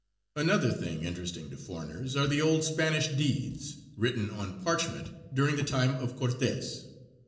Another thing interesting to foreigners are the old Spanish deeds, written on parchment during the time of Cortes.